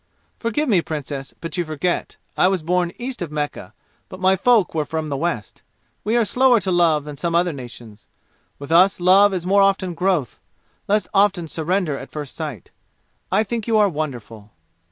"Forgive me, Princess, but you forget. I was born east of Mecca, but my folk were from the West. We are slower to love than some other nations. With us love is more often growth, less often surrender at first sight. I think you are wonderful."